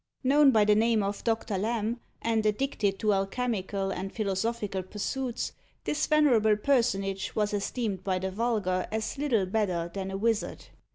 Known by the name of Doctor Lamb, and addicted to alchemical and philosophical pursuits, this venerable personage was esteemed by the vulgar as little better than a wizard.